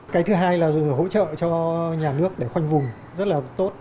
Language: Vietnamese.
cái thứ hai là hỗ trợ cho nhà nước để khoanh vùng rất là tốt